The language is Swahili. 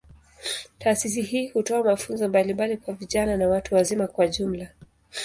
Taasisi hii hutoa mafunzo mbalimbali kwa vijana na watu wazima kwa ujumla.